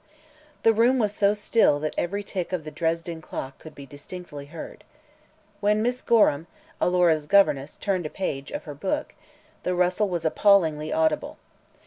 The room was so still that every tick of the Dresden clock could be distinctly heard. When Miss Gorham, Alora's governess, turned a page of her book, the rustle was appallingly audible.